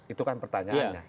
itu kan pertanyaannya